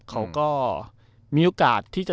เขาก็มีโอกาสที่จะ